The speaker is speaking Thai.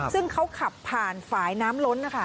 ซึ่งเขาขับผ่านฝ่ายน้ำล้นนะคะ